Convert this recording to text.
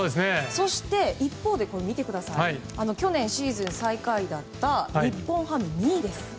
そして、一方で去年シーズン最下位だった日本ハムが２位です。